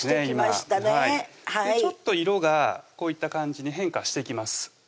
今ちょっと色がこういった感じに変化してきます